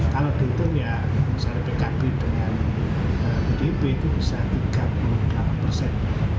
kalau dihitung ya misalnya pkb dengan pdip itu bisa tiga puluh delapan persen